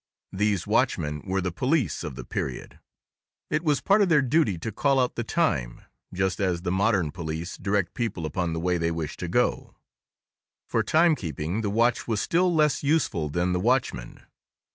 These watchmen were the police of the period; it was part of their duty to call out the time, just as the modern police direct people upon the way they wish to go. For timekeeping, the watch was still less useful than the watchman.